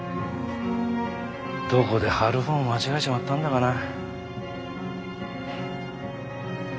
どこで張る方を間違えちまったんだかな。